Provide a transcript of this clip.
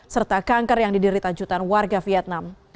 serta kanker yang diderita jutaan warga vietnam